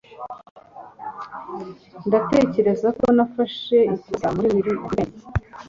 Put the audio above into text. Ndatekereza ko nafashe ikosa muri wikendi.